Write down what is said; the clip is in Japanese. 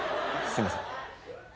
すいません。